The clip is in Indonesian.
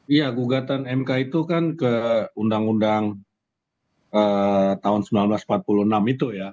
iya gugatan mk itu kan ke undang undang tahun seribu sembilan ratus empat puluh enam itu ya